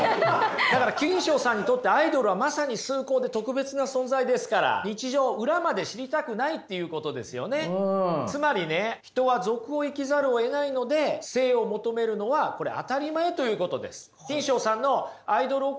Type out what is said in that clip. だからキンショウさんにとってアイドルはまさに崇高で特別な存在ですからつまりね人は俗を生きざるをえないので聖を求めるのはこれ当たり前ということです。